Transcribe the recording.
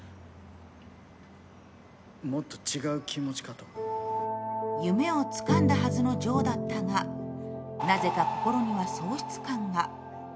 ところが夢をつかんだはずのジョーだったがなぜか心には喪失感が。